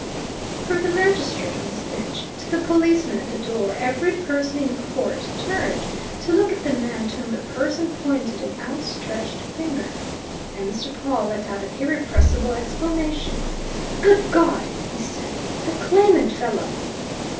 From the magistrate on his bench to the policeman at the door every person in court turned to look at the man to whom the prisoner pointed an out stretched finger. And Mr. Pawle let out an irrepressible exclamation. "Good God!" he said. "The claimant fellow!"